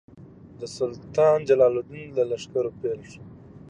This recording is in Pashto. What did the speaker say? د سلطان جلال الدین له لښکرو بېل شول.